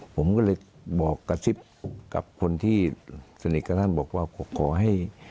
ผมก็เลยบอกกระซิบกับคนที่สนิทกับท่านบอกว่าขอให้